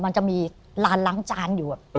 มันจะมีร้านล้างจานอยู่